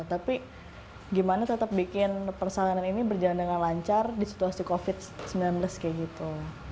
tapi gimana tetap bikin persalinan ini berjalan dengan lancar di situasi covid sembilan belas kayak gitu